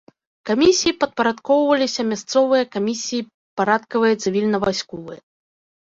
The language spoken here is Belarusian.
Камісіі падпарадкоўваліся мясцовыя камісіі парадкавыя цывільна-вайсковыя.